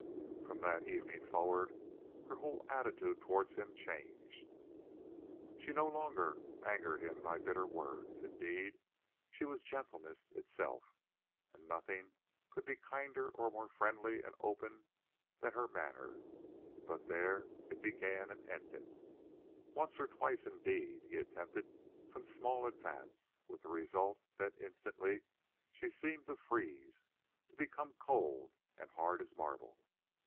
From that evening forward her whole attitude towards him changed. She no longer angered him by bitter words; indeed, she was gentleness itself, and nothing could be kindlier or more friendly and open than her manner, but there it began and ended. Once or twice, indeed, he attempted some small advance, with the result that instantly she seemed to freeze—to become cold and hard as marble.